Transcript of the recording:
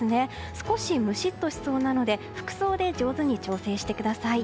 少しムシッとしそうなので服装で上手に調整してください。